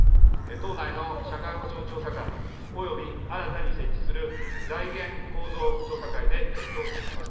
党内の社会保障調査会、および新たに設置する財源構造調査会で、検討を進めます。